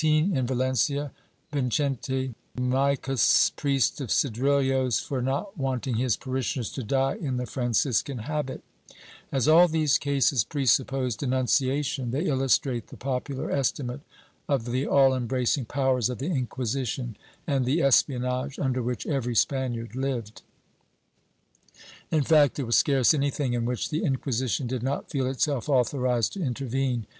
XVI] GENERAL UTILITY 383 1818, in Valencia, Vicente Maicas, priest of Cedrillos, for not wanting his parishioners to die in the Franciscan habit/ As all these cases presuppose denunciation, they illustrate the popular estimate of the all embracing powers of the Inquisition and the espionage under which every Spaniard lived. In fact, there was scarce anything in which the Inquisition did not feel itself authorized to intervene.